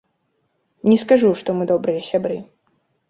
Не скажу, што мы добрыя сябры.